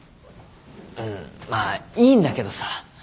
んまあいいんだけどさ。